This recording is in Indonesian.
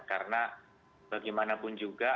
karena bagaimanapun juga